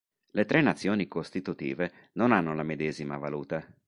Le tre nazioni costitutive non hanno la medesima valuta.